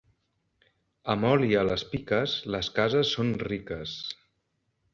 Amb oli a les piques, les cases són riques.